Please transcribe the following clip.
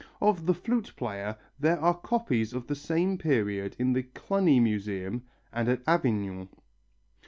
Of the Flute Player there are copies of the same period in the Cluny Museum and at Avignon.